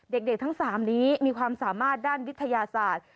เด็กทั้ง๓นี้มีความสามารถด้านวิทยาศาสตร์